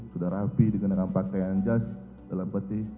sudah rapi dikenakan pakaian jas dalam peti